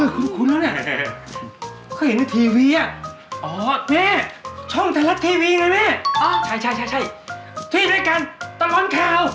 คุ้นแล้วนี่ข้อมูลนี้นะทีวีนี่นี่แม่ช่องทลัดทีวีนายังไหมแม่ทรีย์ด้วยกันตลอดแข่ว